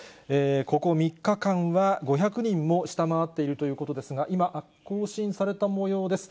ここ３日間は５００人も下回っているということですが、今、更新されたもようです。